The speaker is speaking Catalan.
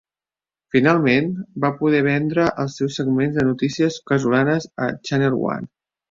Finalment, va poder vendre els seus segments de notícies casolanes a Channel One.